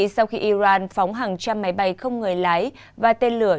sau khi iran phóng hàng trăm máy bay không người lái và tên lửa